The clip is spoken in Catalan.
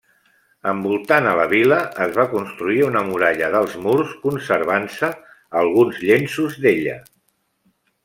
Envoltant a la vila es va construir una Muralla d'alts murs, conservant-se alguns llenços d'ella.